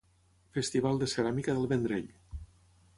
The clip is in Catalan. Festival de Ceràmica del Vendrell.